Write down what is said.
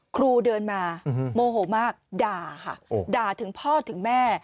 ครูเดินมาโมโหมากด่าค่ะด่าถึงพ่อถึงแม่